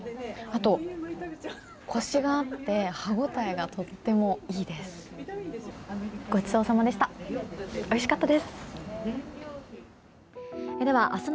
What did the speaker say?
あとコシがあって歯応えがとってもいいです。